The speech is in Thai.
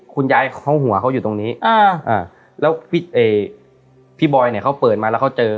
คุณยายเขาหัวเขาอยู่ตรงนี้แล้วพี่บอยเนี่ยเขาเปิดมาแล้วเขาเจอ